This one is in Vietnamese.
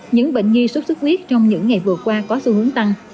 những bệnh nhi suốt suốt huyết trong những ngày vừa qua có xu hướng tăng